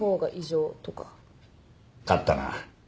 勝ったな。